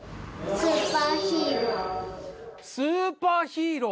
スーパーヒーロー。